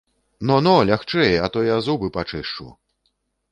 Но, но, лягчэй, а то я зубы пачышчу.